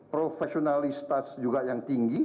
profesionalistas juga yang tinggi